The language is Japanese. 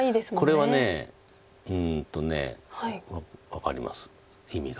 これは分かります意味が。